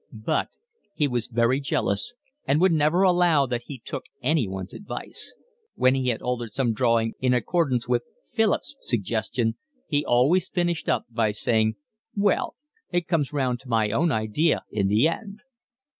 But he was very jealous, and would never allow that he took anyone's advice. When he had altered some drawing in accordance with Philip's suggestion, he always finished up by saying: "Well, it comes round to my own idea in the end."